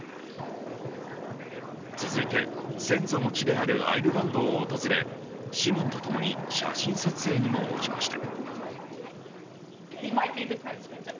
続いて、先祖の地であるアイルランドを訪れ市民と共に写真撮影にも応じました。